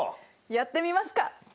やってみますか。